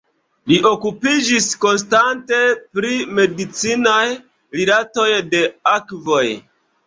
Li okupiĝis konstante pri medicinaj rilatoj de akvoj.